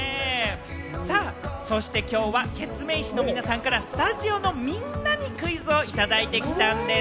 そしてきょうはケツメイシの皆さんからスタジオのみんなにクイズをいただいてきたんです。